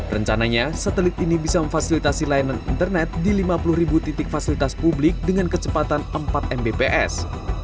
rencananya satelit ini bisa memfasilitasi layanan internet di lima puluh ribu titik fasilitas publik dengan kecepatan empat mbps